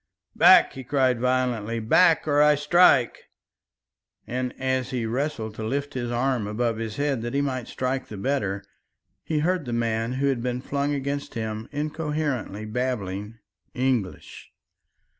"Back!" he cried violently, "back, or I strike!" and, as he wrestled to lift his arm above his head that he might strike the better, he heard the man who had been flung against him incoherently babbling English.